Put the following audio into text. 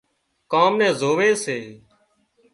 ڪام نين زووي سي